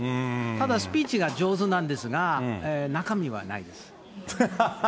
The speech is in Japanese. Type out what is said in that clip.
ただ、スピーチが上手なんですが、中身はないです。